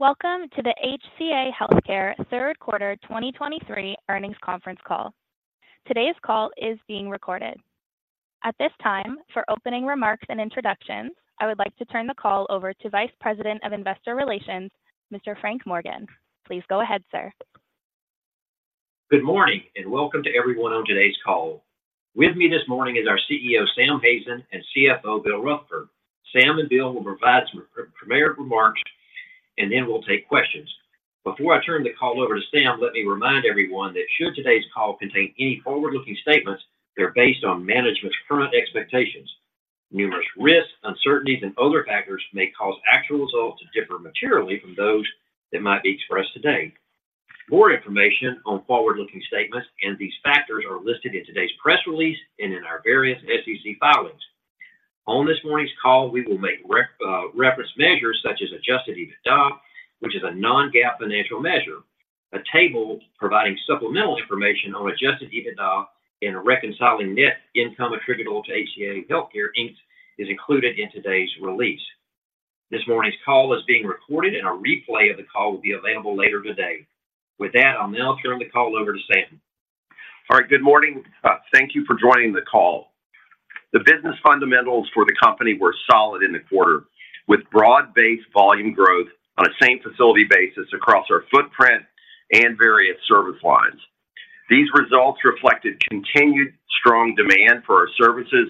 Welcome to the HCA Healthcare Third Quarter 2023 Earnings Conference Call. Today's call is being recorded. At this time, for opening remarks and introductions, I would like to turn the call over to Vice President of Investor Relations, Mr. Frank Morgan. Please go ahead, sir. Good morning, and welcome to everyone on today's call. With me this morning is our CEO, Sam Hazen, and CFO, Bill Rutherford. Sam and Bill will provide some pre-preliminary remarks, and then we'll take questions. Before I turn the call over to Sam, let me remind everyone that should today's call contain any forward-looking statements, they're based on management's current expectations. Numerous risks, uncertainties, and other factors may cause actual results to differ materially from those that might be expressed today. More information on forward-looking statements and these factors are listed in today's press release and in our various SEC filings. On this morning's call, we will make reference measures such as Adjusted EBITDA, which is a non-GAAP financial measure. A table providing supplemental information on Adjusted EBITDA and reconciling net income attributable to HCA Healthcare Inc. is included in today's release. This morning's call is being recorded, and a replay of the call will be available later today. With that, I'll now turn the call over to Sam. All right, good morning. Thank you for joining the call. The business fundamentals for the company were solid in the quarter, with broad-based volume growth on a same-facility basis across our footprint and various service lines. These results reflected continued strong demand for our services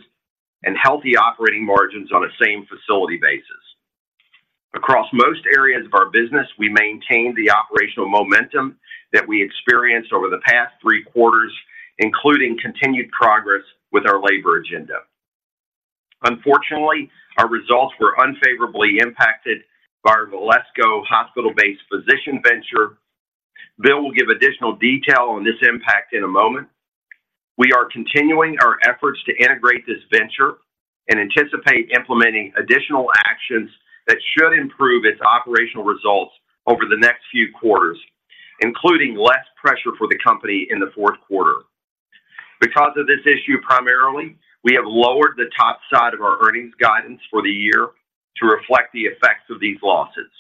and healthy operating margins on a same-facility basis. Across most areas of our business, we maintained the operational momentum that we experienced over the past three quarters, including continued progress with our labor agenda. Unfortunately, our results were unfavorably impacted by our Valesco hospital-based physician venture. Bill will give additional detail on this impact in a moment. We are continuing our efforts to integrate this venture and anticipate implementing additional actions that should improve its operational results over the next few quarters, including less pressure for the company in the fourth quarter. Because of this issue, primarily, we have lowered the top side of our earnings guidance for the year to reflect the effects of these losses.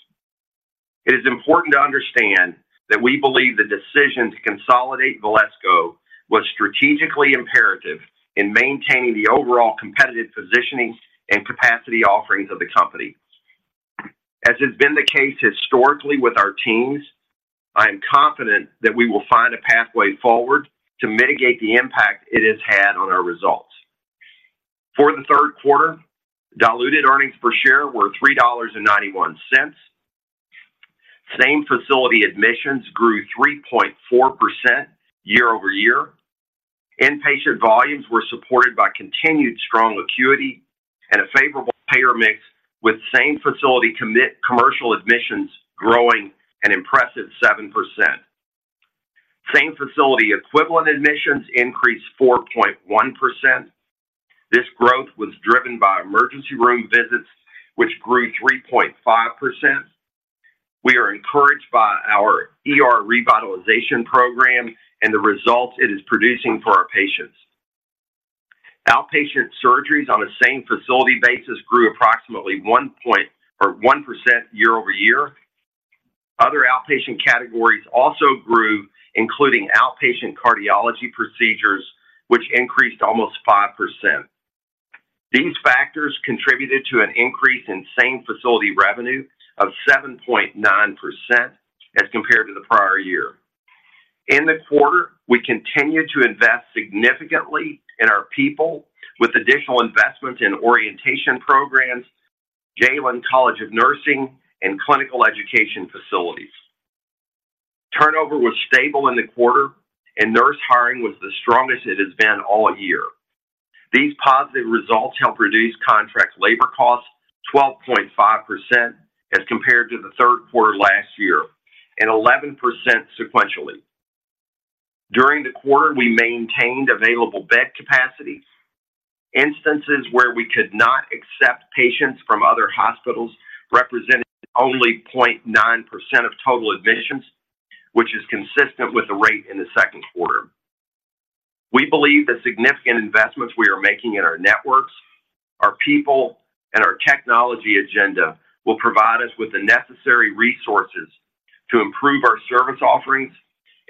It is important to understand that we believe the decision to consolidate Valesco was strategically imperative in maintaining the overall competitive positioning and capacity offerings of the company. As has been the case historically with our teams, I am confident that we will find a pathway forward to mitigate the impact it has had on our results. For the third quarter, diluted earnings per share were $3.91. Same-Facility admissions grew 3.4% year-over-year. Inpatient volumes were supported by continued strong acuity and a favorable payer mix, with Same-Facility commercial admissions growing an impressive 7%. Same-Facility equivalent admissions increased 4.1%. This growth was driven by emergency room visits, which grew 3.5%. We are encouraged by our ER revitalization program and the results it is producing for our patients. Outpatient surgeries on a same-facility basis grew approximately 1% year-over-year. Other outpatient categories also grew, including outpatient cardiology procedures, which increased almost 5%. These factors contributed to an increase in same-facility revenue of 7.9% as compared to the prior year. In the quarter, we continued to invest significantly in our people with additional investment in orientation programs, Galen College of Nursing, and clinical education facilities. Turnover was stable in the quarter, and nurse hiring was the strongest it has been all year. These positive results helped reduce contract labor costs 12.5% as compared to the third quarter last year, and 11% sequentially. During the quarter, we maintained available bed capacity. Instances where we could not accept patients from other hospitals represented only 0.9% of total admissions, which is consistent with the rate in the second quarter. We believe the significant investments we are making in our networks, our people, and our technology agenda will provide us with the necessary resources to improve our service offerings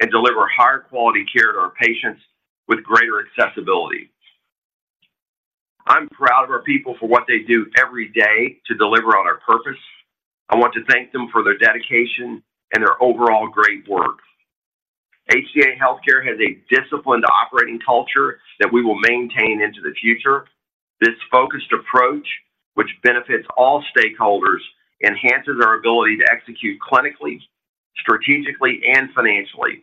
and deliver higher quality care to our patients with greater accessibility. I'm proud of our people for what they do every day to deliver on our purpose. I want to thank them for their dedication and their overall great work. HCA Healthcare has a disciplined operating culture that we will maintain into the future. This focused approach, which benefits all stakeholders, enhances our ability to execute clinically, strategically, and financially.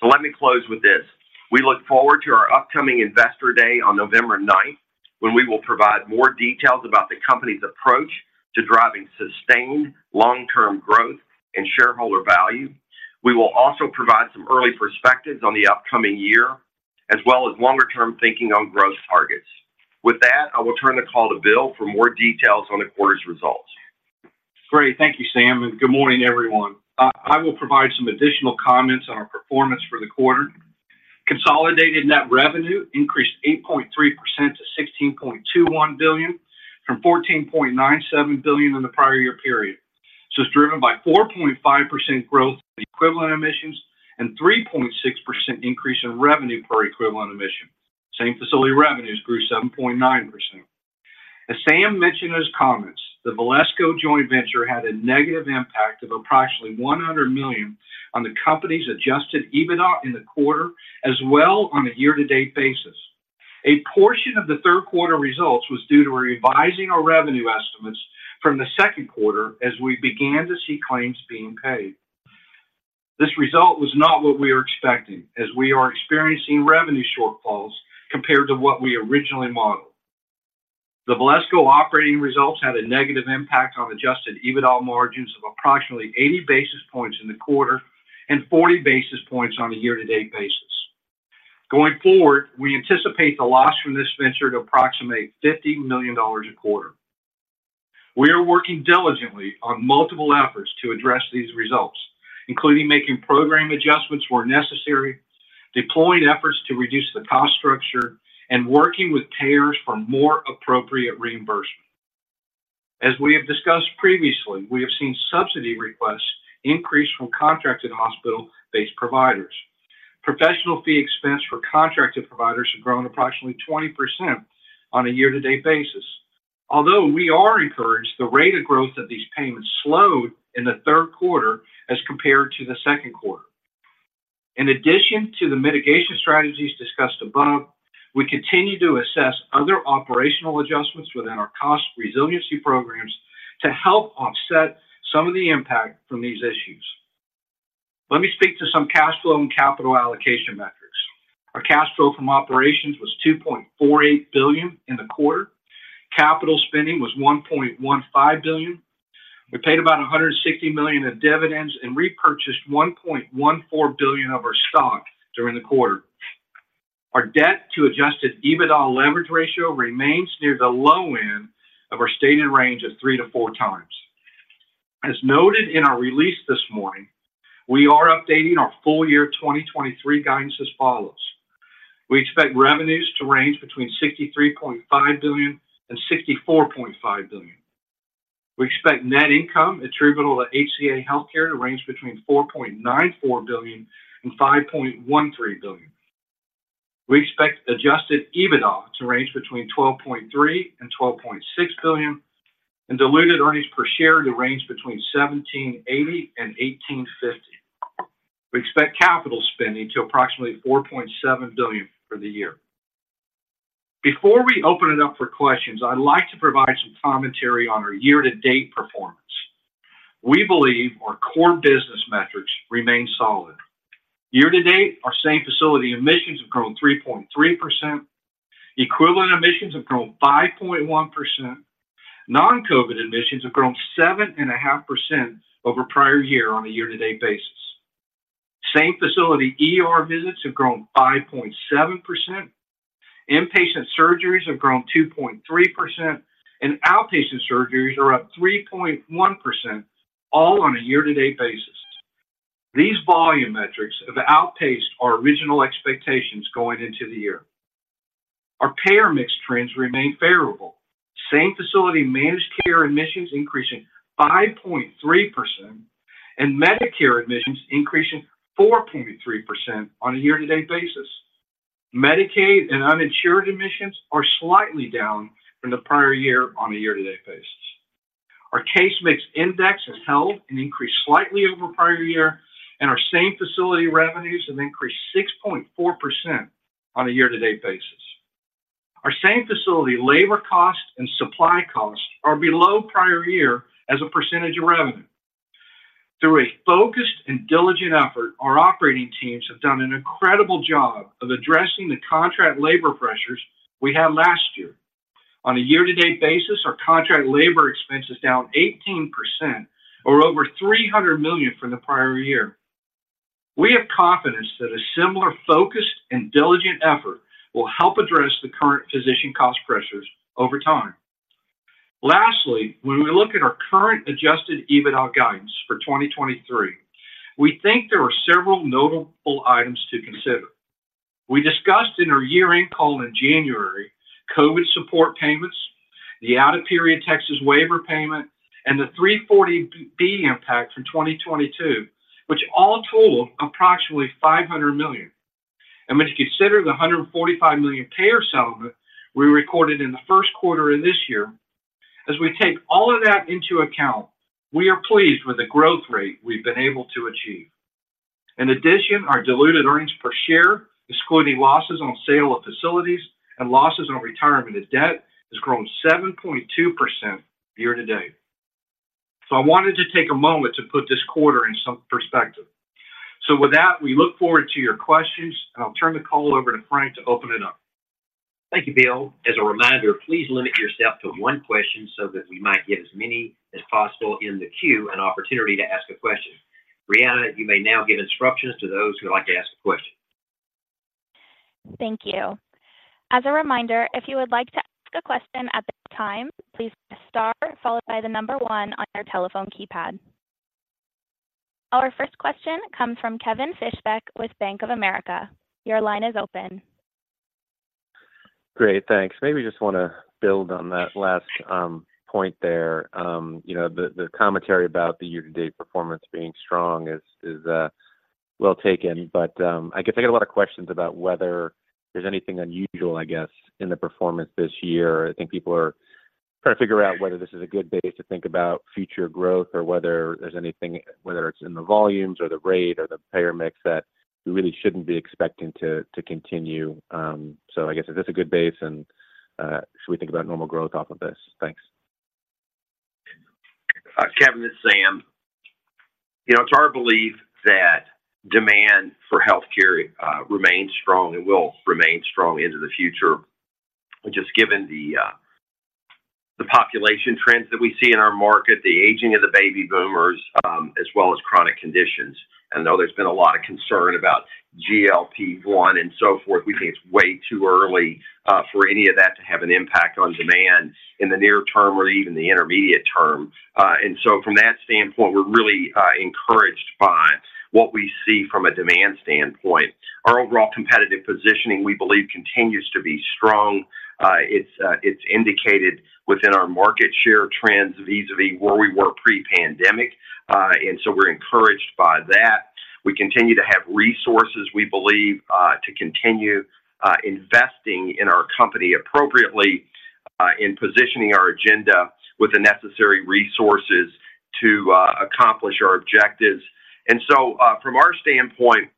Let me close with this: We look forward to our upcoming Investor Day on November ninth, when we will provide more details about the company's approach to driving sustained long-term growth and shareholder value. We will also provide some early perspectives on the upcoming year, as well as longer-term thinking on growth targets. With that, I will turn the call to Bill for more details on the quarter's results. Great. Thank you, Sam, and good morning, everyone. I will provide some additional comments on our performance for the quarter. Consolidated net revenue increased 8.3% to $16.21 billion from $14.97 billion in the prior year period. This was driven by 4.5% growth in equivalent admissions and 3.6% increase in revenue per equivalent admission. Same-facility revenues grew 7.9%. As Sam mentioned in his comments, the Valesco joint venture had a negative impact of approximately $100 million on the company's Adjusted EBITDA in the quarter, as well on a year-to-date basis. A portion of the third quarter results was due to revising our revenue estimates from the second quarter as we began to see claims being paid. This result was not what we were expecting, as we are experiencing revenue shortfalls compared to what we originally modeled. The Valesco operating results had a negative impact on Adjusted EBITDA margins of approximately 80 basis points in the quarter and 40 basis points on a year-to-date basis. Going forward, we anticipate the loss from this venture to approximate $50 million a quarter. We are working diligently on multiple efforts to address these results, including making program adjustments where necessary, deploying efforts to reduce the cost structure, and working with payers for more appropriate reimbursement. As we have discussed previously, we have seen subsidy requests increase from contracted hospital-based providers. Professional fee expense for contracted providers have grown approximately 20% on a year-to-date basis. Although we are encouraged, the rate of growth of these payments slowed in the third quarter as compared to the second quarter. In addition to the mitigation strategies discussed above, we continue to assess other operational adjustments within our cost resiliency programs to help offset some of the impact from these issues. Let me speak to some cash flow and capital allocation metrics. Our cash flow from operations was $2.48 billion in the quarter. Capital spending was $1.15 billion. We paid about $160 million in dividends and repurchased $1.14 billion of our stock during the quarter. Our debt to Adjusted EBITDA leverage ratio remains near the low end of our stated range of three to four times. As noted in our release this morning, we are updating our full year 2023 guidance as follows: We expect revenues to range between $63.5 billion and $64.5 billion. We expect net income attributable to HCA Healthcare to range between $4.94 billion-$5.13 billion. We expect Adjusted EBITDA to range between $12.3 billion-$12.6 billion, and diluted earnings per share to range between $17.80-$18.50. We expect capital spending to approximately $4.7 billion for the year. Before we open it up for questions, I'd like to provide some commentary on our year-to-date performance. We believe our core business metrics remain solid. Year-to-date, our same-facility admissions have grown 3.3%, equivalent admissions have grown 5.1%, non-COVID admissions have grown 7.5% over prior year on a year-to-date basis. Same-Facility ER visits have grown 5.7%, inpatient surgeries have grown 2.3%, and outpatient surgeries are up 3.1%, all on a year-to-date basis. These volume metrics have outpaced our original expectations going into the year. Our payer mix trends remain favorable. Same-Facility managed care admissions increasing 5.3%, and Medicare admissions increasing 4.3% on a year-to-date basis. Medicaid and uninsured admissions are slightly down from the prior year on a year-to-date basis. Our Case Mix Index has held and increased slightly over prior year, and our Same-Facility revenues have increased 6.4% on a year-to-date basis. Our Same-Facility labor costs and supply costs are below prior year as a percentage of revenue. Through a focused and diligent effort, our operating teams have done an incredible job of addressing the contract labor pressures we had last year. On a year-to-date basis, our contract labor expense is down 18% or over $300 million from the prior year. We have confidence that a similar focused and diligent effort will help address the current physician cost pressures over time. Lastly, when we look at our current Adjusted EBITDA guidance for 2023, we think there are several notable items to consider. We discussed in our year-end call in January, COVID support payments, the out-of-period Texas Waiver payment, and the 340B impact from 2022, which all total approximately $500 million. When you consider the $145 million payer settlement we recorded in the first quarter of this year, as we take all of that into account, we are pleased with the growth rate we've been able to achieve. In addition, our diluted earnings per share, excluding losses on sale of facilities and losses on retirement of debt, has grown 7.2% year-to-date. I wanted to take a moment to put this quarter in some perspective. With that, we look forward to your questions, and I'll turn the call over to Frank to open it up. Thank you, Bill. As a reminder, please limit yourself to one question so that we might get as many as possible in the queue, an opportunity to ask a question. Rihanna, you may now give instructions to those who would like to ask a question. Thank you. As a reminder, if you would like to ask a question at this time, please press star, followed by the number one on your telephone keypad... Our first question comes from Kevin Fischbeck with Bank of America. Your line is open. Great, thanks. Maybe just want to build on that last point there. You know, the commentary about the year-to-date performance being strong is well taken, but I guess I get a lot of questions about whether there's anything unusual, I guess, in the performance this year. I think people are trying to figure out whether this is a good base to think about future growth or whether there's anything, whether it's in the volumes or the rate or the payer mix, that we really shouldn't be expecting to continue. So I guess, is this a good base, and should we think about normal growth off of this? Thanks. Kevin, it's Sam. You know, it's our belief that demand for healthcare remains strong and will remain strong into the future, just given the population trends that we see in our market, the aging of the baby boomers, as well as chronic conditions. I know there's been a lot of concern about GLP-1 and so forth. We think it's way too early for any of that to have an impact on demand in the near term or even the intermediate term. And so from that standpoint, we're really encouraged by what we see from a demand standpoint. Our overall competitive positioning, we believe, continues to be strong. It's indicated within our market share trends vis-a-vis where we were pre-pandemic, and so we're encouraged by that. We continue to have resources, we believe, to continue investing in our company appropriately, in positioning our agenda with the necessary resources to accomplish our objectives. And so, from our standpoint,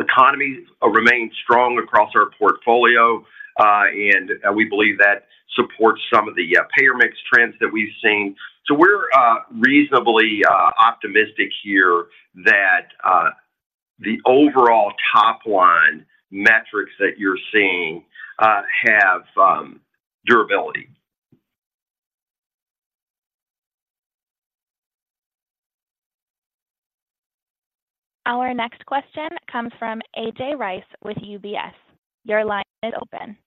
economies remain strong across our portfolio, and we believe that supports some of the payer mix trends that we've seen. So we're reasonably optimistic here that the overall top line metrics that you're seeing have durability. Our next question comes from A.J. Rice with UBS. Your line is open.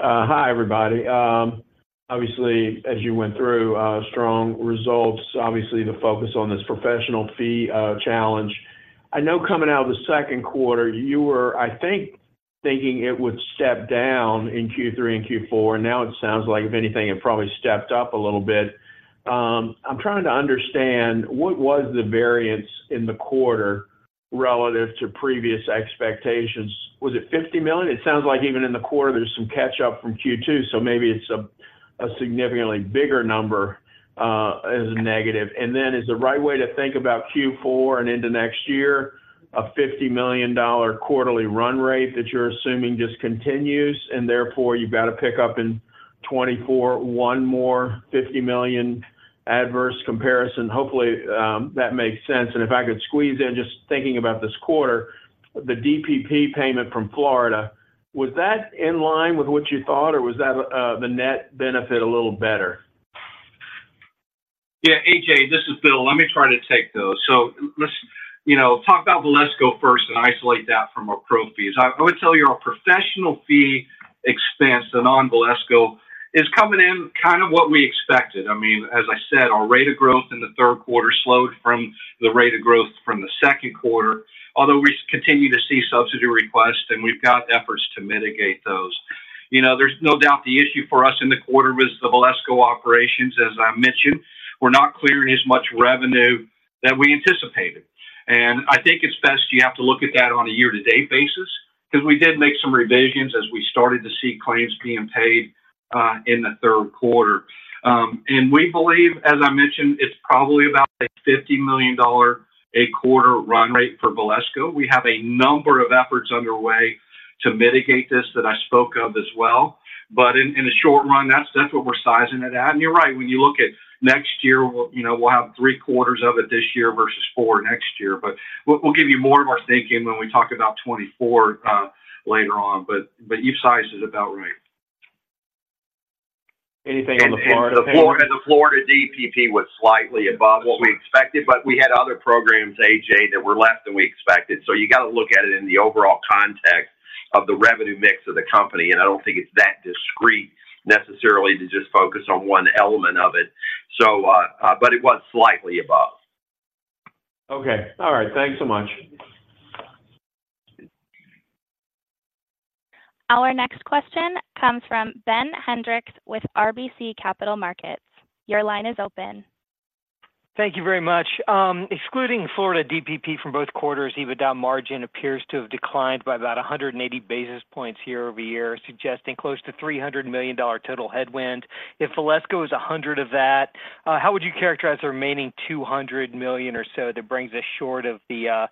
Hi, everybody. Obviously, as you went through, strong results, obviously, the focus on this professional fee challenge. I know coming out of the second quarter, you were, I think, thinking it would step down in Q3 and Q4, and now it sounds like, if anything, it probably stepped up a little bit. I'm trying to understand what was the variance in the quarter relative to previous expectations? Was it $50 million? It sounds like even in the quarter, there's some catch up from Q2, so maybe it's a, a significantly bigger number, as a negative. And then, is the right way to think about Q4 and into next year, a $50 million quarterly run rate that you're assuming just continues, and therefore, you've got to pick up in 2024, one more $50 million adverse comparison? Hopefully, that makes sense. If I could squeeze in, just thinking about this quarter, the DPP payment from Florida, was that in line with what you thought, or was that the net benefit a little better? Yeah, A.J., this is Bill. Let me try to take those. So let's, you know, talk about Valesco first and isolate that from our pro fees. I would tell you our professional fee expense, the non-Valesco, is coming in kind of what we expected. I mean, as I said, our rate of growth in the third quarter slowed from the rate of growth from the second quarter, although we continue to see subsidy requests, and we've got efforts to mitigate those. You know, there's no doubt the issue for us in the quarter was the Valesco operations. As I mentioned, we're not clearing as much revenue that we anticipated, and I think it's best you have to look at that on a year-to-date basis because we did make some revisions as we started to see claims being paid in the third quarter. And we believe, as I mentioned, it's probably about a $50 million a quarter run rate for Valesco. We have a number of efforts underway to mitigate this that I spoke of as well, but in the short run, that's what we're sizing it at. And you're right, when you look at next year, we'll, you know, we'll have three quarters of it this year versus four next year. But we'll give you more of our thinking when we talk about 2024 later on, but you've sized it about right. Anything on the Florida payment? The Florida DPP was slightly above what we expected, but we had other programs, A.J., that were less than we expected. So you got to look at it in the overall context of the revenue mix of the company, and I don't think it's that discrete necessarily to just focus on one element of it. But it was slightly above. Okay. All right. Thanks so much. Our next question comes from Ben Hendrix with RBC Capital Markets. Your line is open. Thank you very much. Excluding Florida DPP from both quarters, EBITDA margin appears to have declined by about 180 basis points year-over-year, suggesting close to $300 million total headwind. If Valesco is $100 of that, how would you characterize the remaining $200 million or so that brings us short of the 3Q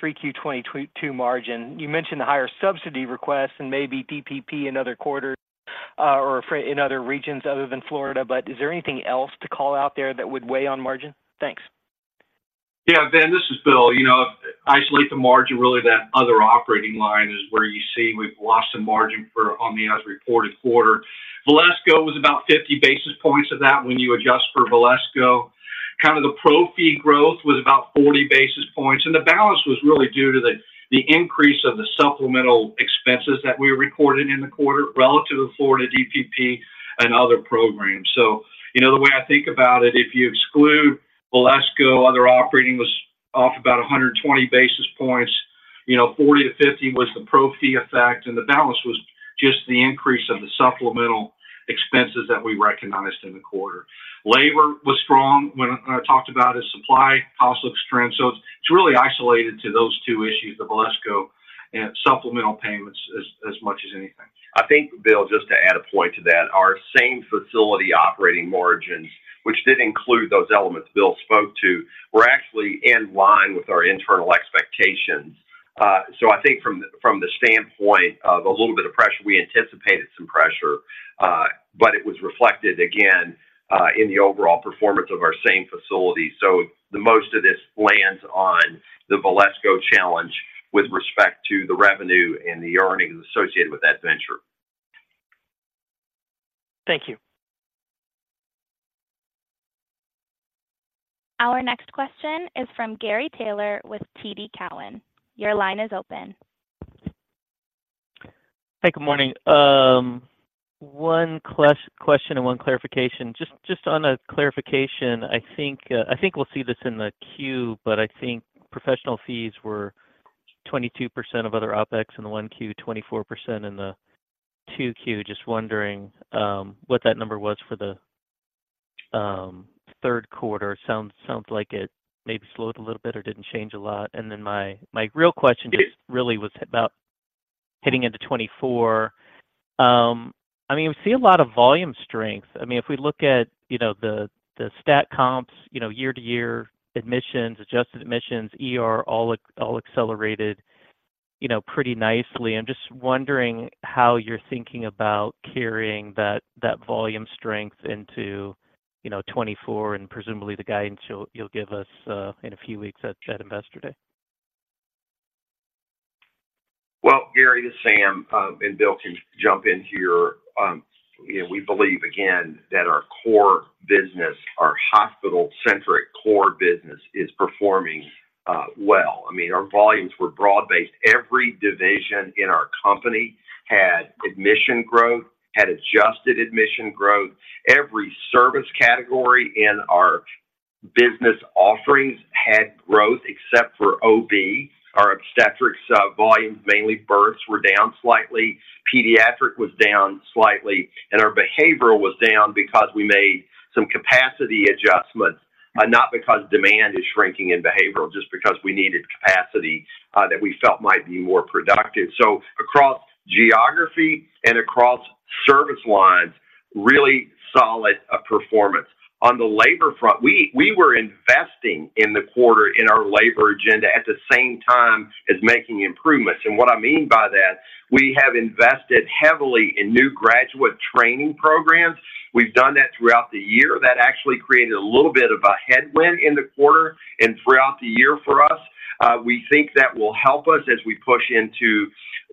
2022 margin? You mentioned the higher subsidy requests and maybe DPP in other quarters, or in other regions other than Florida, but is there anything else to call out there that would weigh on margin? Thanks. Yeah, Ben, this is Bill. You know, isolate the margin, really, that other operating line is where you see we've lost some margin for on the as reported quarter. Valesco was about 50 basis points of that when you adjust for Valesco. Kind of the pro fee growth was about 40 basis points, and the balance was really due to the, the increase of the supplemental expenses that we recorded in the quarter relative to Florida DPP and other programs. So you know, the way I think about it, if you exclude Valesco, other operating was off about 120 basis points. You know, 40-50 was the pro fee effect, and the balance was just the increase of the supplemental expenses that we recognized in the quarter. Labor was strong when I talked about as supply costs looks trend. So it's really isolated to those two issues, the Valesco and supplemental payments as much as anything. I think, Bill, just to add a point to that, our same facility operating margin, which did include those elements Bill spoke to, were actually in line with our internal expectations. So I think from the standpoint of a little bit of pressure, we anticipated some pressure, but it was reflected, again, in the overall performance of our same facility. So the most of this lands on the Valesco challenge with respect to the revenue and the earnings associated with that venture. Thank you. Our next question is from Gary Taylor with TD Cowen. Your line is open. Hey, good morning. One question and one clarification. Just on a clarification, I think we'll see this in the queue, but I think professional fees were 22% of other OpEx in the 1Q, 24% in the 2Q. Just wondering what that number was for the third quarter? Sounds like it maybe slowed a little bit or didn't change a lot. And then my real question just really was about hitting into 2024. I mean, we see a lot of volume strength. I mean, if we look at, you know, the stat comps, you know, year-to-year, admissions, adjusted admissions, ER, all accelerated, you know, pretty nicely. I'm just wondering how you're thinking about carrying that volume strength into, you know, 2024, and presumably the guidance you'll give us in a few weeks at that Investor Day. Well, Gary, this is Sam and Bill to jump in here. You know, we believe again that our core business, our hospital-centric core business is performing well. I mean, our volumes were broad-based. Every division in our company had admission growth, had adjusted admission growth. Every service category in our business offerings had growth except for OB. Our obstetrics volumes, mainly births, were down slightly, pediatric was down slightly, and our behavioral was down because we made some capacity adjustments, not because demand is shrinking in behavioral, just because we needed capacity that we felt might be more productive. So across geography and across service lines, really solid performance. On the labor front, we were investing in the quarter in our labor agenda at the same time as making improvements. And what I mean by that, we have invested heavily in new graduate training programs. We've done that throughout the year. That actually created a little bit of a headwind in the quarter and throughout the year for us. We think that will help us as we push into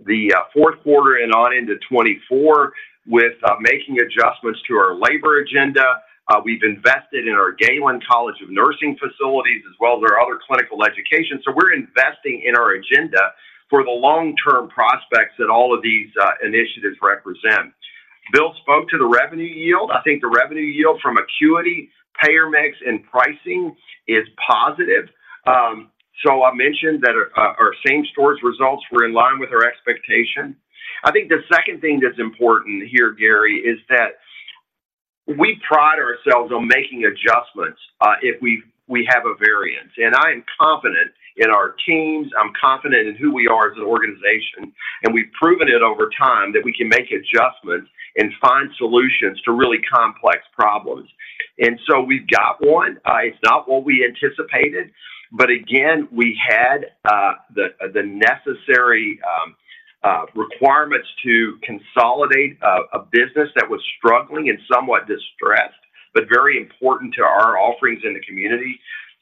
the fourth quarter and on into 2024 with making adjustments to our labor agenda. We've invested in our Galen College of Nursing facilities, as well as our other clinical education. So we're investing in our agenda for the long-term prospects that all of these initiatives represent. Bill spoke to the revenue yield. I think the revenue yield from acuity, payer mix, and pricing is positive. So I mentioned that our same-facility results were in line with our expectation. I think the second thing that's important here, Gary, is that we pride ourselves on making adjustments, if we have a variance, and I am confident in our teams, I'm confident in who we are as an organization, and we've proven it over time that we can make adjustments and find solutions to really complex problems. And so we've got one. It's not what we anticipated, but again, we had the necessary requirements to consolidate a business that was struggling and somewhat distressed, but very important to our offerings in the community.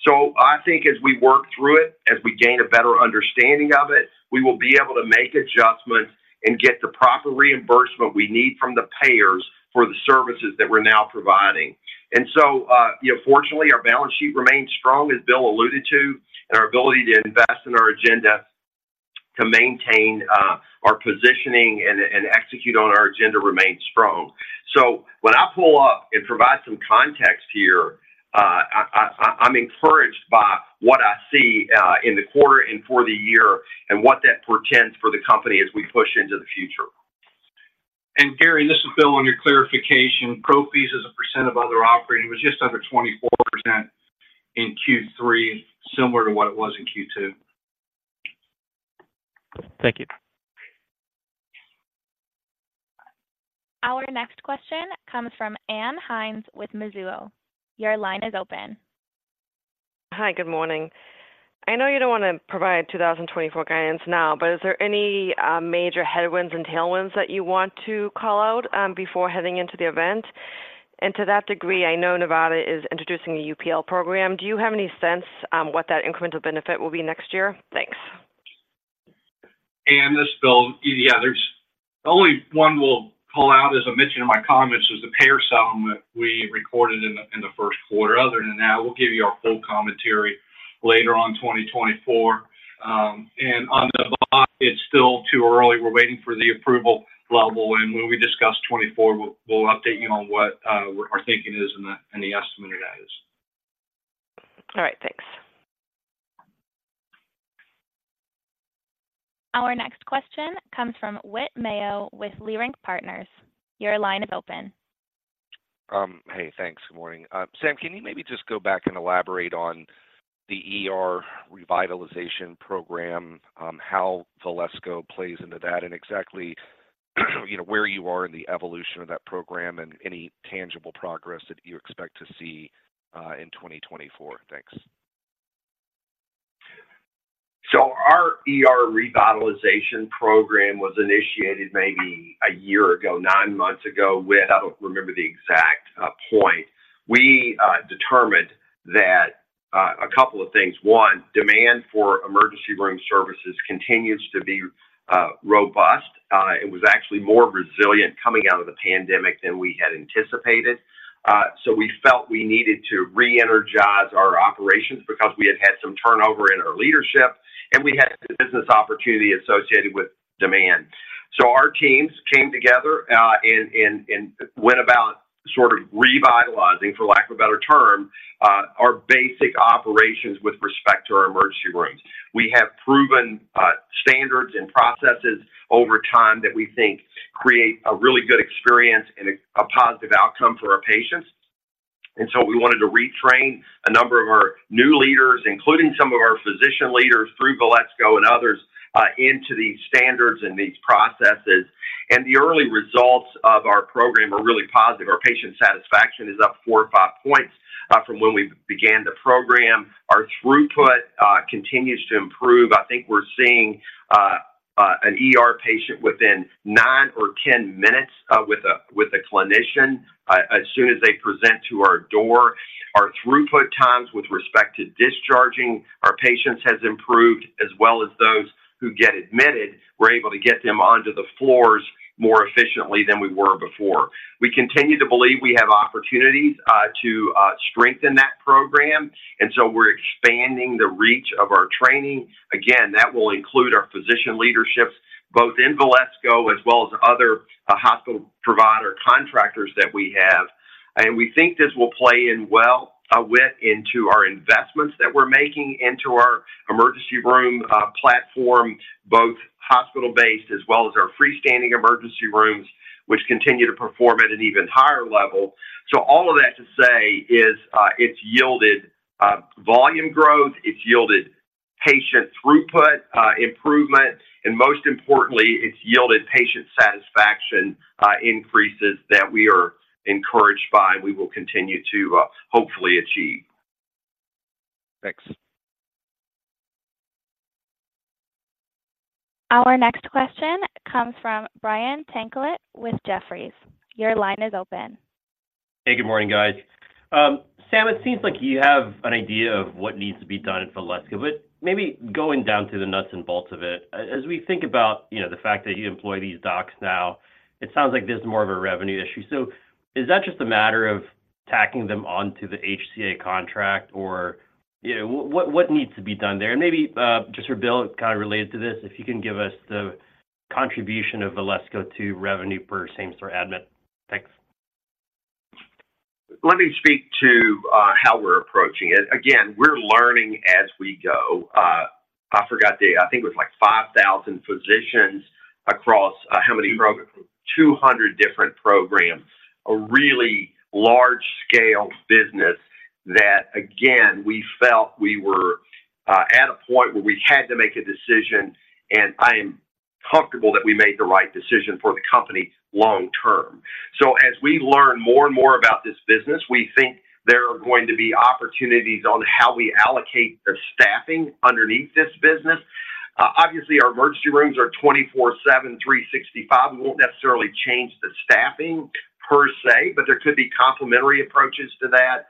So I think as we work through it, as we gain a better understanding of it, we will be able to make adjustments and get the proper reimbursement we need from the payers for the services that we're now providing. And so, you know, fortunately, our balance sheet remains strong, as Bill alluded to, and our ability to invest in our agenda to maintain, our positioning and, and execute on our agenda remains strong. So when I pull up and provide some context here, I, I, I'm encouraged by what I see, in the quarter and for the year, and what that portends for the company as we push into the future. Gary, this is Bill. On your clarification, pro fees as a percent of other operating was just under 24% in Q3, similar to what it was in Q2. Thank you. Our next question comes from Ann Hynes with Mizuho. Your line is open. Hi, good morning. I know you don't wanna provide 2024 guidance now, but is there any major headwinds and tailwinds that you want to call out before heading into the event? And to that degree, I know Nevada is introducing a UPL program. Do you have any sense what that incremental benefit will be next year? Thanks. Anne, this is Bill. Yeah, there's only one we'll call out, as I mentioned in my comments, was the payer settlement we recorded in the first quarter. Other than that, we'll give you our full commentary later on 2024. And on the bond, it's still too early. We're waiting for the approval level, and when we discuss 2024, we'll update you on what our thinking is and the estimate of that is. All right, thanks. Our next question comes from Whit Mayo with Leerink Partners. Your line is open. Hey, thanks. Good morning. Sam, can you maybe just go back and elaborate on the ER revitalization program, how Valesco plays into that, and exactly, you know, where you are in the evolution of that program and any tangible progress that you expect to see in 2024? Thanks. So our ER revitalization program was initiated maybe a year ago, nine months ago. Whit, I don't remember the exact point. We determined that a couple of things: One, demand for emergency room services continues to be robust. It was actually more resilient coming out of the pandemic than we had anticipated. So we felt we needed to reenergize our operations because we had had some turnover in our leadership, and we had a business opportunity associated with demand. So our teams came together and went about sort of revitalizing, for lack of a better term, our basic operations with respect to our emergency rooms. We have proven standards and processes over time that we think create a really good experience and a positive outcome for our patients. And so we wanted to retrain a number of our new leaders, including some of our physician leaders, through Valesco and others into these standards and these processes. The early results of our program are really positive. Our patient satisfaction is up four or five points from when we began the program. Our throughput continues to improve. I think we're seeing an ER patient within nine or 10 minutes with a clinician as soon as they present to our door. Our throughput times with respect to discharging our patients has improved, as well as those who get admitted. We're able to get them onto the floors more efficiently than we were before. We continue to believe we have opportunities to strengthen that program, and so we're expanding the reach of our training. Again, that will include our physician leadership, both in Valesco as well as other, hospital provider contractors that we have. And we think this will play in well, Whit, into our investments that we're making into our emergency room, platform, both hospital-based as well as our freestanding emergency rooms, which continue to perform at an even higher level. So all of that to say is, it's yielded volume growth, it's yielded patient throughput, improvement, and most importantly, it's yielded patient satisfaction, increases that we are encouraged by. We will continue to, hopefully achieve. Thanks. Our next question comes from Brian Tanquilut with Jefferies. Your line is open. Hey, good morning, guys. Sam, it seems like you have an idea of what needs to be done at Valesco, but maybe going down to the nuts and bolts of it. As we think about, you know, the fact that you employ these docs now, it sounds like this is more of a revenue issue. So is that just a matter of tacking them on to the HCA contract, or, you know, what needs to be done there? And maybe just for Bill, kind of related to this, if you can give us the contribution of Valesco to revenue per same store admit. Thanks. Let me speak to how we're approaching it. Again, we're learning as we go. I forgot the... I think it was, like, 5,000 physicians across how many programs? 200 different programs. A really large-scale business that, again, we felt we were at a point where we had to make a decision, and I am comfortable that we made the right decision for the company long term. So as we learn more and more about this business, we think there are going to be opportunities on how we allocate the staffing underneath this business. Obviously, our emergency rooms are 24/7, 365. We won't necessarily change the staffing per se, but there could be complementary approaches to that.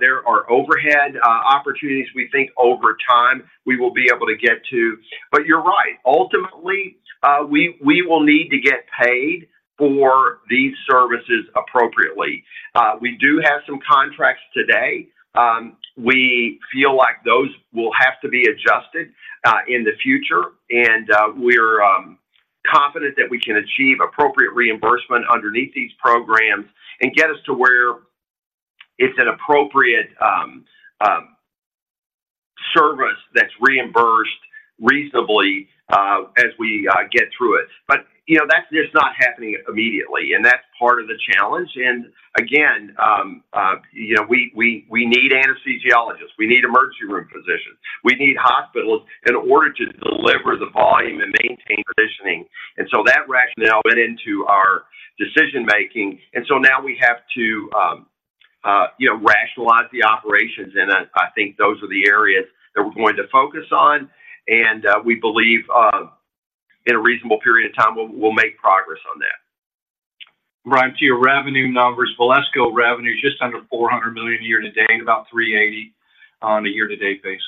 There are overhead opportunities we think over time we will be able to get to. But you're right. Ultimately, we will need to get paid for these services appropriately. We do have some contracts today. We feel like those will have to be adjusted in the future, and we're confident that we can achieve appropriate reimbursement underneath these programs and get us to where it's an appropriate service that's reimbursed reasonably as we get through it. But, you know, that's just not happening immediately, and that's part of the challenge. And again, you know, we need anesthesiologists, we need emergency room physicians, we need hospitals in order to deliver the volume and maintain positioning. And so that rationale went into our decision making, and so now we have to, you know, rationalize the operations. And I think those are the areas that we're going to focus on, and we believe in a reasonable period of time, we'll make progress on that. Brian, to your revenue numbers, Valesco revenue is just under $400 million year-to-date, about $380 million on a year-to-date basis.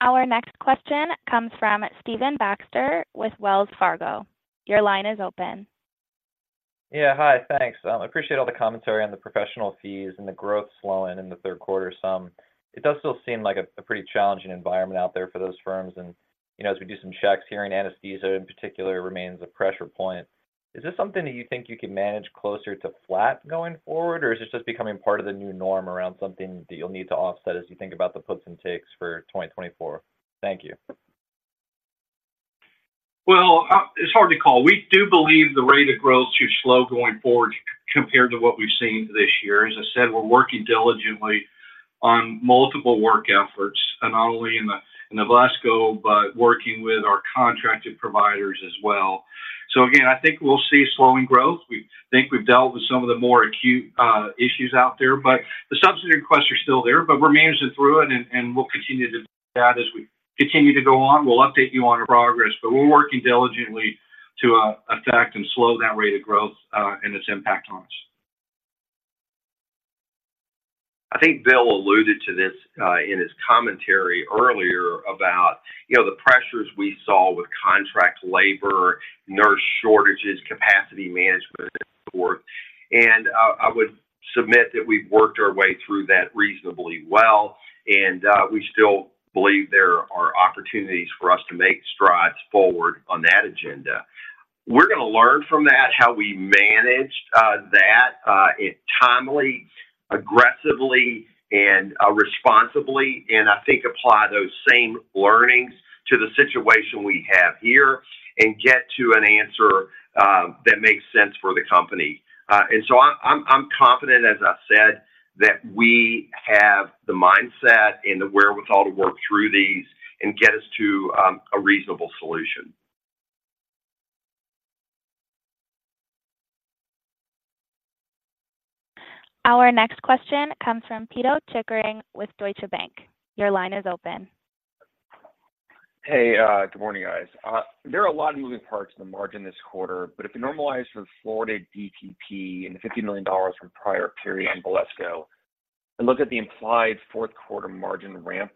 Our next question comes from Stephen Baxter with Wells Fargo. Your line is open. ... Yeah, hi, thanks. I appreciate all the commentary on the professional fees and the growth slowing in the third quarter some. It does still seem like a pretty challenging environment out there for those firms, and, you know, as we do some checks, hearing anesthesia, in particular, remains a pressure point. Is this something that you think you can manage closer to flat going forward, or is this just becoming part of the new norm around something that you'll need to offset as you think about the puts and takes for 2024? Thank you. Well, it's hard to call. We do believe the rate of growth should slow going forward compared to what we've seen this year. As I said, we're working diligently on multiple work efforts, and not only in the, in the Valesco, but working with our contracted providers as well. So again, I think we'll see slowing growth. We think we've dealt with some of the more acute issues out there, but the substantive requests are still there, but we're managing through it, and, and we'll continue to do that as we continue to go on. We'll update you on our progress, but we're working diligently to affect and slow that rate of growth, and its impact on us. I think Bill alluded to this in his commentary earlier about, you know, the pressures we saw with contract labor, nurse shortages, capacity management, and so forth. And I would submit that we've worked our way through that reasonably well, and we still believe there are opportunities for us to make strides forward on that agenda. We're gonna learn from that, how we managed that it timely, aggressively, and responsibly, and I think apply those same learnings to the situation we have here and get to an answer that makes sense for the company. And so I'm confident, as I said, that we have the mindset and the wherewithal to work through these and get us to a reasonable solution. Our next question comes from Peter Chickering with Deutsche Bank. Your line is open. Hey, good morning, guys. There are a lot of moving parts in the margin this quarter, but if you normalize for the Florida DPP and the $50 million from prior period on Valesco and look at the implied fourth quarter margin ramp,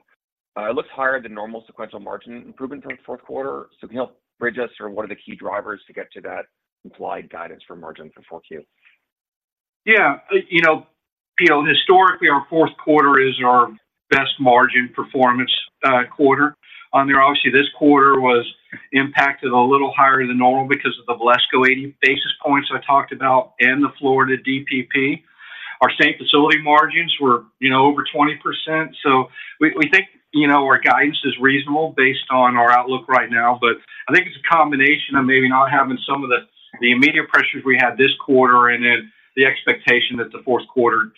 it looks higher than normal sequential margin improvement for the fourth quarter. So can you help bridge us or what are the key drivers to get to that implied guidance for margin for four Q? Yeah. You know, Peter, historically, our fourth quarter is our best margin performance quarter. There obviously, this quarter was impacted a little higher than normal because of the Valesco 80 basis points I talked about and the Florida DPP. Our Same-Facility margins were, you know, over 20%. So we, we think, you know, our guidance is reasonable based on our outlook right now. But I think it's a combination of maybe not having some of the, the immediate pressures we had this quarter, and then the expectation that the fourth quarter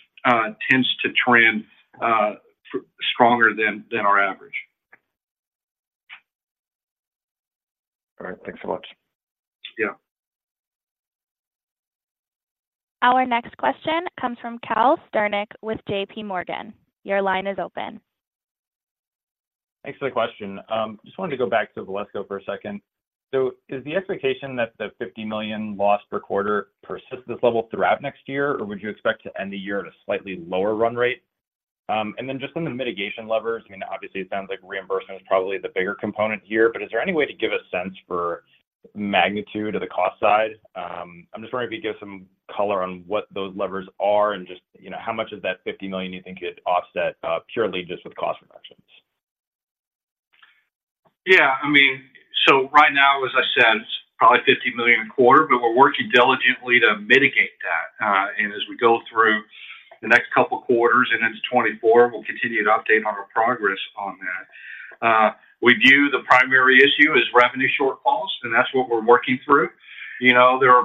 tends to trend stronger than our average. All right, thanks so much. Yeah. Our next question comes from Cal Sternick with JP Morgan. Your line is open. Thanks for the question. Just wanted to go back to Valesco for a second. So is the expectation that the $50 million loss per quarter persists this level throughout next year, or would you expect to end the year at a slightly lower run rate? And then just on the mitigation levers, I mean, obviously, it sounds like reimbursement is probably the bigger component here, but is there any way to give a sense for magnitude of the cost side? I'm just wondering if you give some color on what those levers are and just, you know, how much of that $50 million you think you'd offset, purely just with cost reductions. Yeah, I mean. So right now, as I said, it's probably $50 million a quarter, but we're working diligently to mitigate that. And as we go through the next couple of quarters and into 2024, we'll continue to update on our progress on that. We view the primary issue as revenue shortfalls, and that's what we're working through. You know, there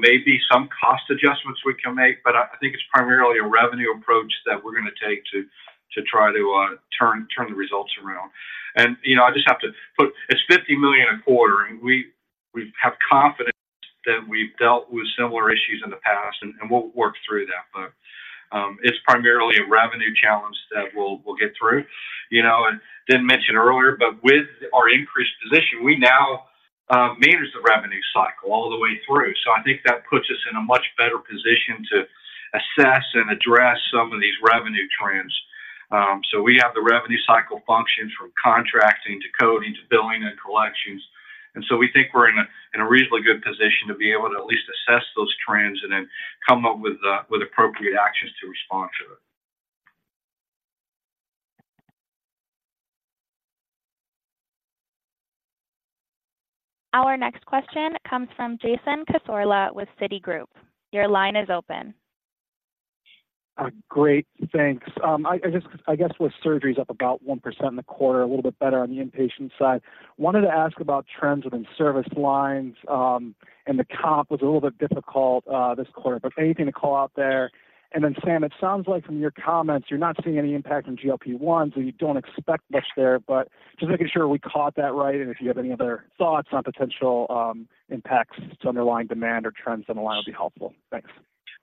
may be some cost adjustments we can make, but I think it's primarily a revenue approach that we're gonna take to try to turn the results around. And, you know, I just have to put. It's $50 million a quarter, and we have confidence that we've dealt with similar issues in the past, and we'll work through that. But, it's primarily a revenue challenge that we'll get through. You know, and didn't mention earlier, but with our increased position, we now manage the revenue cycle all the way through. So I think that puts us in a much better position to assess and address some of these revenue trends. So we have the revenue cycle functions from contracting to coding, to billing and collections, and so we think we're in a reasonably good position to be able to at least assess those trends and then come up with appropriate actions to respond to it. Our next question comes from Jason Sassorla with Citigroup. Your line is open. Great, thanks. I just, I guess with surgeries up about 1% in the quarter, a little bit better on the inpatient side, wanted to ask about trends within service lines, and the comp was a little bit difficult, this quarter, but anything to call out there? And then, Sam, it sounds like from your comments, you're not seeing any impact from GLP-1, so you don't expect much there, but just making sure we caught that right, and if you have any other thoughts on potential, impacts to underlying demand or trends down the line, it'll be helpful. Thanks.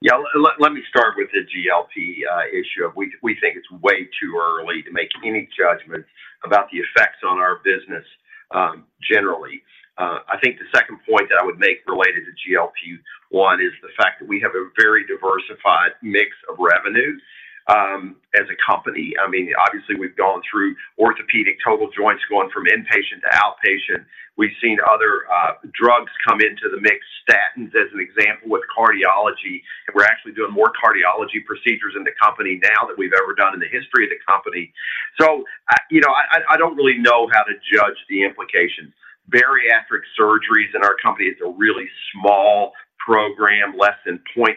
Yeah. Let me start with the GLP issue. We think it's way too early to make any judgment about the effects on our business, generally. I think the second point that I would make related to GLP-1 is the fact we have a very diversified mix of revenues, as a company. I mean, obviously, we've gone through orthopedic, total joints, going from inpatient to outpatient. We've seen other drugs come into the mix, statins, as an example, with cardiology, and we're actually doing more cardiology procedures in the company now than we've ever done in the history of the company. So I, you know, I don't really know how to judge the implications. Bariatric surgeries in our company is a really small program, less than 0.5%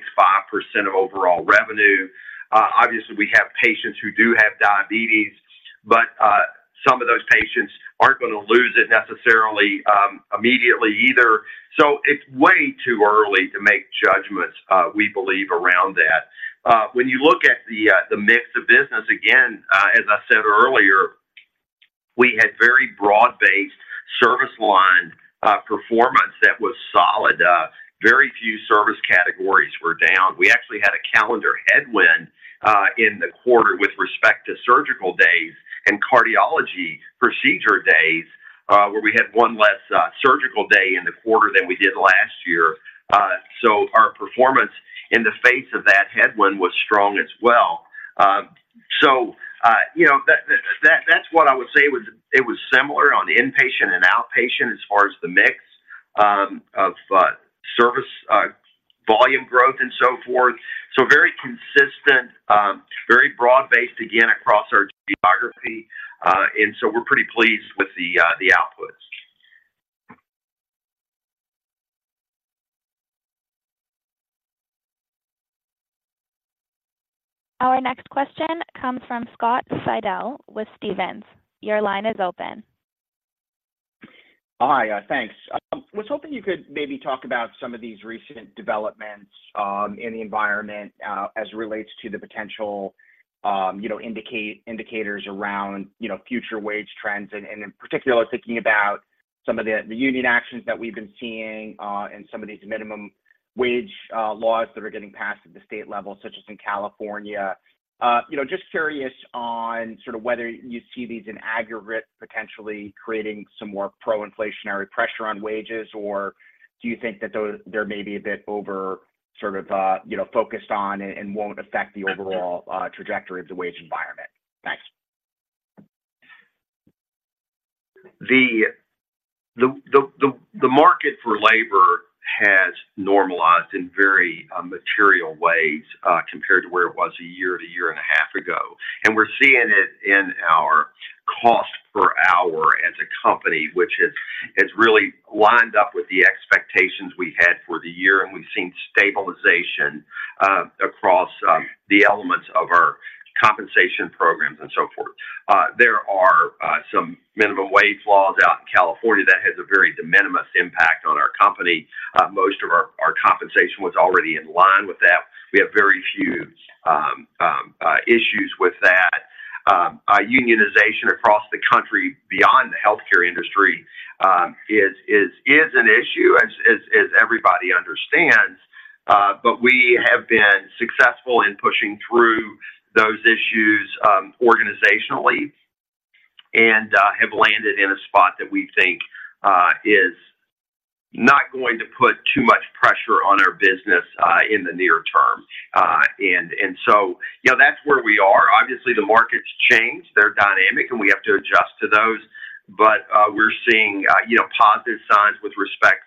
of overall revenue. Obviously, we have patients who do have diabetes, but, some of those patients aren't gonna lose it necessarily, immediately either. So it's way too early to make judgments, we believe, around that. When you look at the, the mix of business, again, as I said earlier, we had very broad-based service line, performance that was solid. Very few service categories were down. We actually had a calendar headwind, in the quarter with respect to surgical days and cardiology procedure days, where we had one less, surgical day in the quarter than we did last year. So our performance in the face of that headwind was strong as well. So, you know, that's what I would say was, it was similar on inpatient and outpatient as far as the mix of service volume growth and so forth. So very consistent, very broad-based, again, across our geography, and so we're pretty pleased with the outputs. Our next question comes from Scott Fidel with Stephens. Your line is open. Hi, thanks. Was hoping you could maybe talk about some of these recent developments in the environment as it relates to the potential, you know, indicators around, you know, future wage trends, and in particular, thinking about some of the union actions that we've been seeing, and some of these minimum wage laws that are getting passed at the state level, such as in California. You know, just curious on sort of whether you see these in aggregate, potentially creating some more pro-inflationary pressure on wages, or do you think that those they may be a bit over, sort of, you know, focused on and won't affect the overall trajectory of the wage environment? Thanks. The market for labor has normalized in very material ways compared to where it was a year to a year and a half ago. And we're seeing it in our cost per hour as a company, which has really lined up with the expectations we had for the year, and we've seen stabilization across the elements of our compensation programs and so forth. There are some minimum wage laws out in California that has a very de minimis impact on our company. Most of our compensation was already in line with that. We have very few issues with that. Unionization across the country, beyond the healthcare industry, is an issue, as everybody understands, but we have been successful in pushing through those issues, organizationally and have landed in a spot that we think is not going to put too much pressure on our business in the near term. So, you know, that's where we are. Obviously, the markets change, they're dynamic, and we have to adjust to those. But we're seeing, you know, positive signs with respect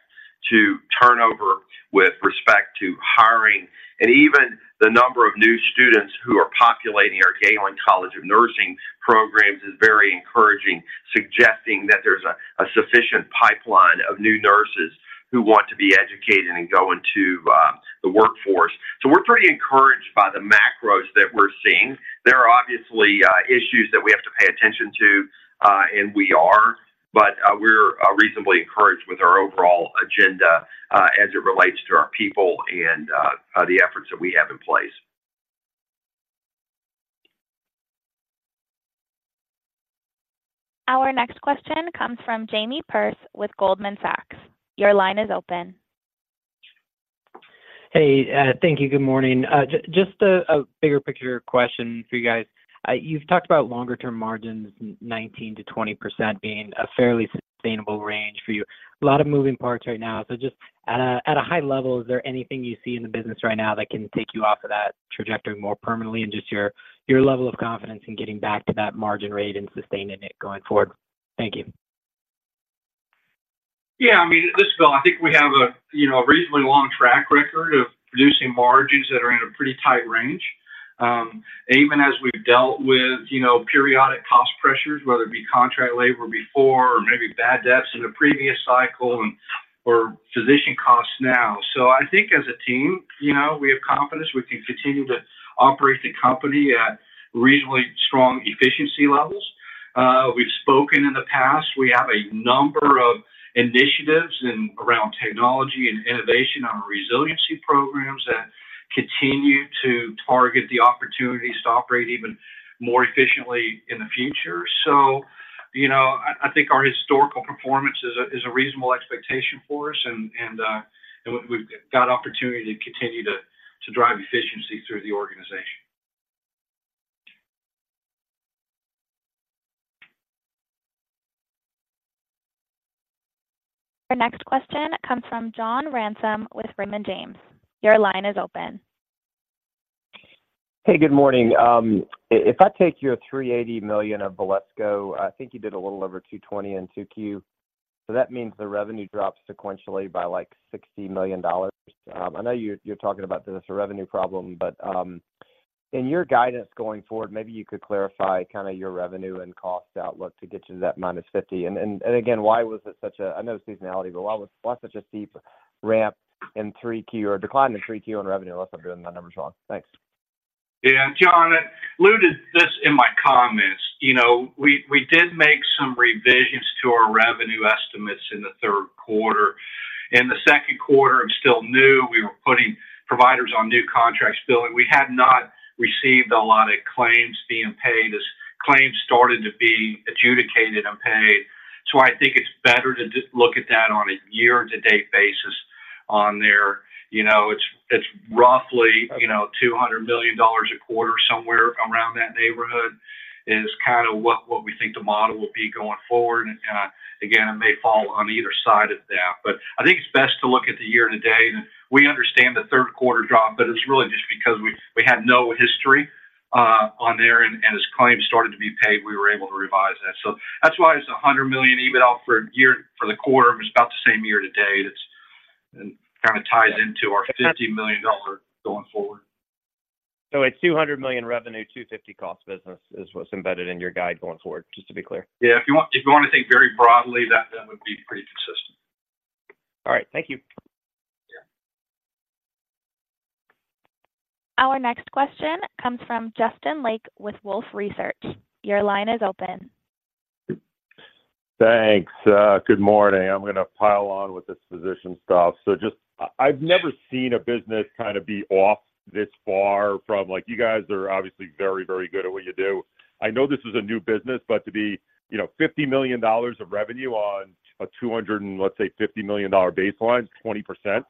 to turnover, with respect to hiring, and even the number of new students who are populating our Galen College of Nursing programs is very encouraging, suggesting that there's a sufficient pipeline of new nurses who want to be educated and go into the workforce. So we're pretty encouraged by the macros that we're seeing. There are obviously issues that we have to pay attention to, and we are, but we're reasonably encouraged with our overall agenda, as it relates to our people and the efforts that we have in place. Our next question comes from Jamie Perse with Goldman Sachs. Your line is open. Hey, thank you. Good morning. Just a bigger picture question for you guys. You've talked about longer term margins, 19%-20% being a fairly sustainable range for you. A lot of moving parts right now. So just at a high level, is there anything you see in the business right now that can take you off of that trajectory more permanently, and just your level of confidence in getting back to that margin rate and sustaining it going forward? Thank you. Yeah, I mean, listen, Bill, I think we have a, you know, a reasonably long track record of producing margins that are in a pretty tight range, even as we've dealt with, you know, periodic cost pressures, whether it be contract labor before or maybe bad debts in the previous cycle and, or physician costs now. So I think as a team, you know, we have confidence we can continue to operate the company at reasonably strong efficiency levels. We've spoken in the past. We have a number of initiatives around technology and innovation, on our resiliency programs that continue to target the opportunities to operate even more efficiently in the future. So you know, I, I think our historical performance is a, is a reasonable expectation for us, and we've got opportunity to continue to drive efficiency through the organization. Our next question comes from John Ransom with Raymond James. Your line is open. Hey, good morning. If I take your $380 million of Valesco, I think you did a little over 220 in 2Q. So that means the revenue drops sequentially by, like, $60 million. I know you're talking about this, a revenue problem, but in your guidance going forward, maybe you could clarify kinda your revenue and cost outlook to get you to that -$50 million. And again, why was it such a... I know seasonality, but why such a steep ramp in 3Q or decline in 3Q on revenue, unless I'm doing my numbers wrong? Thanks. Yeah, John, I alluded to this in my comments. You know, we did make some revisions to our revenue estimates in the third quarter. In the second quarter, it was still new. We were putting providers on new contracts, billing. We had not received a lot of claims being paid. As claims started to be adjudicated and paid. So I think it's better to just look at that on a year-to-date basis. You know, it's roughly $200 million a quarter, somewhere around that neighborhood, is kinda what we think the model will be going forward. And, again, it may fall on either side of that. But I think it's best to look at the year to date, and we understand the third quarter drop, but it's really just because we had no history on there, and as claims started to be paid, we were able to revise that. So that's why it's $100 million EBITDA for a year, for the quarter. It's about the same year to date. It's kinda ties into our $50 million going forward. It's $200 million revenue, $250 million cost business, is what's embedded in your guide going forward, just to be clear? Yeah. If you want, if you wanna think very broadly, that would be pretty consistent. All right. Thank you. Yeah. Our next question comes from Justin Lake with Wolfe Research. Your line is open. Thanks, good morning. I'm gonna pile on with this physician stuff. So just, I've never seen a business kinda be off this far from... Like, you guys are obviously very, very good at what you do. I know this is a new business, but to be, you know, $50 million of revenue on a $250 million baseline, 20%.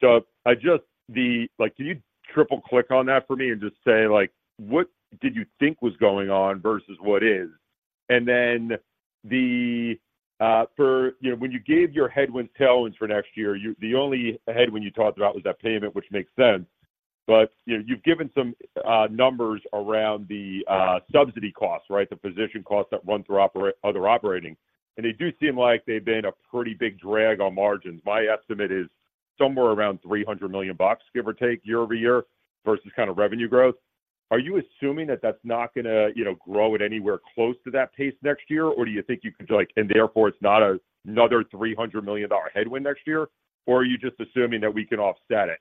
So I just-- the, like, can you triple-click on that for me and just say, like, what did you think was going on versus what is? And then the, for, you know, when you gave your headwinds/tailwinds for next year, you, the only headwind you talked about was that payment, which makes sense. But, you know, you've given some numbers around the subsidy costs, right? The physician costs that run through operat- other operating. They do seem like they've been a pretty big drag on margins. My estimate is somewhere around $300 million, give or take, year-over-year, versus kind of revenue growth. Are you assuming that that's not gonna, you know, grow at anywhere close to that pace next year? Or do you think you could, like, and therefore, it's not a, another $300 million headwind next year, or are you just assuming that we can offset it,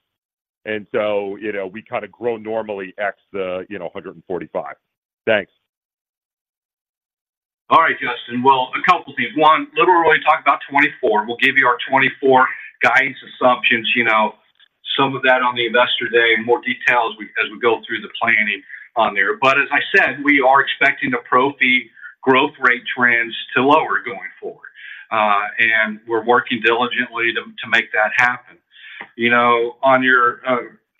and so, you know, we kinda grow normally ex the, you know, $145? Thanks. All right, Justin. Well, a couple things. One, literally, we talked about 2024. We'll give you our 2024 guidance assumptions, you know, some of that on the Investor Day, more details as we go through the planning on there. But as I said, we are expecting the pro fee growth rate trends to lower going forward, and we're working diligently to make that happen. You know, on your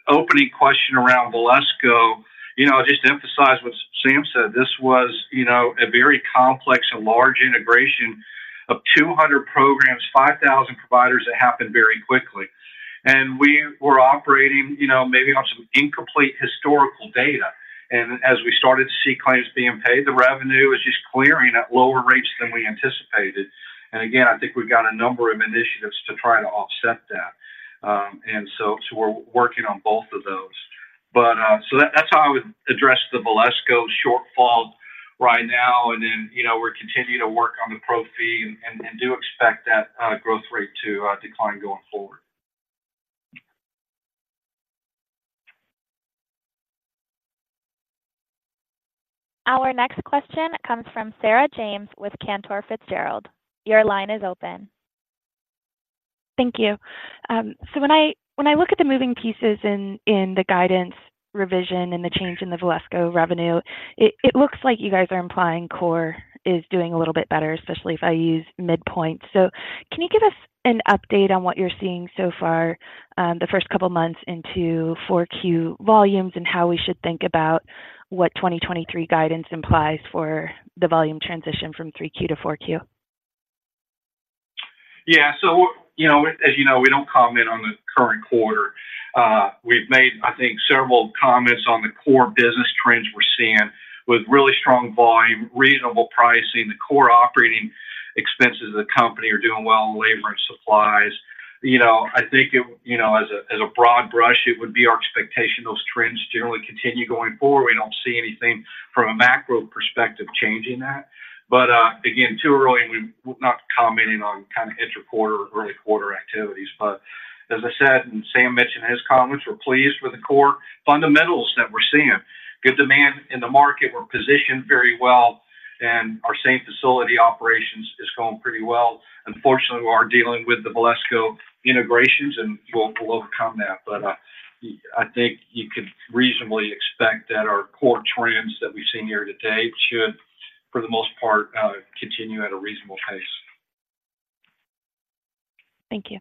opening question around Valesco, you know, just to emphasize what Sam said, this was, you know, a very complex and large integration of 200 programs, 5,000 providers that happened very quickly. And we were operating, you know, maybe on some incomplete historical data. And as we started to see claims being paid, the revenue was just clearing at lower rates than we anticipated. Again, I think we've got a number of initiatives to try to offset that. And so we're working on both of those. But so that's how I would address the Valesco shortfall right now, and then, you know, we're continuing to work on the pro fee and do expect that growth rate to decline going forward. Our next question comes from Sarah James with Cantor Fitzgerald. Your line is open. Thank you. So when I look at the moving pieces in the guidance revision and the change in the Valesco revenue, it looks like you guys are implying core is doing a little bit better, especially if I use midpoint. So can you give us an update on what you're seeing so far, the first couple of months into 4Q volumes, and how we should think about what 2023 guidance implies for the volume transition from 3Q to 4Q? Yeah. So, you know, as you know, we don't comment on the current quarter. We've made, I think, several comments on the core business trends we're seeing with really strong volume, reasonable pricing. The core operating expenses of the company are doing well in labor and supplies. You know, I think it, you know, as a, as a broad brush, it would be our expectation those trends generally continue going forward. We don't see anything from a macro perspective changing that. But, again, too early, and we're not commenting on kind of inter quarter or early quarter activities. But as I said, and Sam mentioned in his comments, we're pleased with the core fundamentals that we're seeing. Good demand in the market. We're positioned very well, and our same-facility operations is going pretty well. Unfortunately, we are dealing with the Valesco integrations, and we'll, we'll overcome that. But, I think you could reasonably expect that our core trends that we've seen here today should, for the most part, continue at a reasonable pace. Thank you....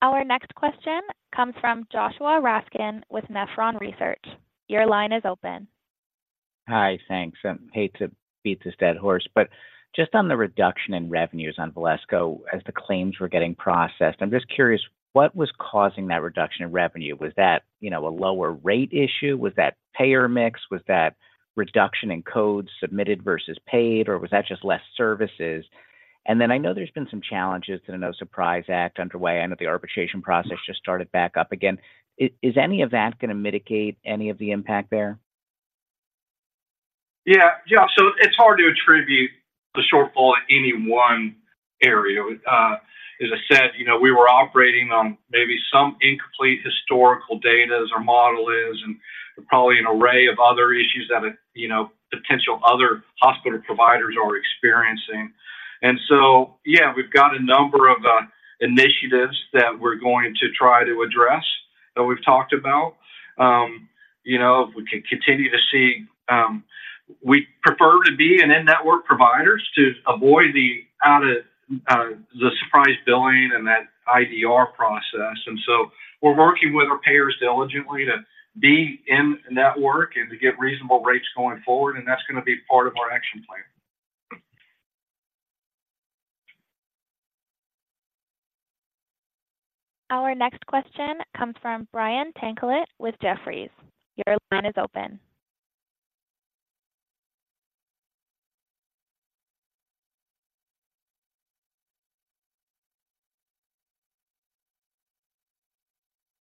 Our next question comes from Joshua Raskin with Nephron Research. Your line is open. Hi, thanks. I hate to beat this dead horse, but just on the reduction in revenues on Valesco as the claims were getting processed, I'm just curious, what was causing that reduction in revenue? Was that, you know, a lower rate issue? Was that payer mix? Was that reduction in codes submitted versus paid, or was that just less services? And then I know there's been some challenges to the No Surprises Act underway. I know the arbitration process just started back up again. Is, is any of that gonna mitigate any of the impact there? Yeah, yeah. So it's hard to attribute the shortfall in any one area. As I said, you know, we were operating on maybe some incomplete historical data as our model is, and probably an array of other issues that, you know, potential other hospital providers are experiencing. And so, yeah, we've got a number of initiatives that we're going to try to address, that we've talked about. You know, if we can continue to see, we prefer to be an in-network providers to avoid the out of the surprise billing and that IDR process. And so we're working with our payers diligently to be in network and to get reasonable rates going forward, and that's gonna be part of our action plan. Our next question comes from Brian Tanquilut with Jefferies. Your line is open.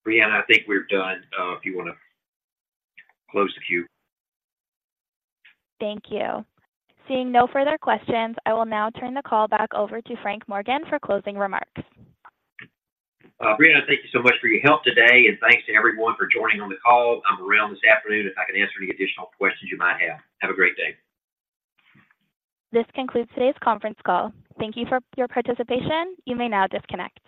Brianna, I think we're done, if you wanna close the queue. Thank you. Seeing no further questions, I will now turn the call back over to Frank Morgan for closing remarks. Brianna, thank you so much for your help today, and thanks to everyone for joining on the call. I'm around this afternoon, if I can answer any additional questions you might have. Have a great day. This concludes today's conference call. Thank you for your participation. You may now disconnect.